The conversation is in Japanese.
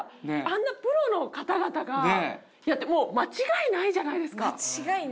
あんなプロの方々がだってもう間違いないじゃないですか。